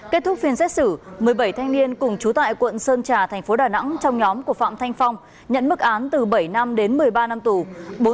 kết thúc phiên xét xử một mươi bảy thanh niên cùng chú tại quận sơn trà thành phố đà nẵng trong nhóm của phạm thanh phong nhận mức án từ bảy năm đến một mươi ba năm tù